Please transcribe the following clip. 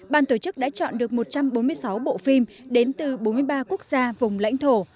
ban tổ chức đã chọn được một trăm bốn mươi sáu bộ phim đến từ bốn mươi ba quốc gia vùng lãnh thổ